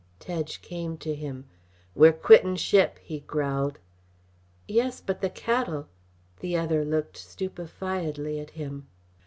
Tedge came to him. "We're quittin' ship," he growled. "Yes, but the cattle " The other looked stupefiedly at him.